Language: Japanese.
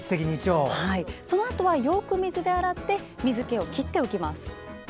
そのあとは、よく水で洗って水けを切っておきます。